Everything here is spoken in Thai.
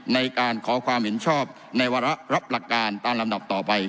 ในการขอความเห็นชอบในวาระรับหลักการตามลำดับต่อไป